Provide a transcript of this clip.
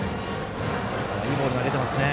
いいボール投げてますね。